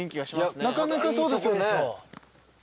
なかなかそうですよね。